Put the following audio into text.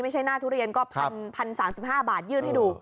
ไม่ใช่หน้าทุเรียนก็พันพันสามสิบห้าบาทยื่นให้ดู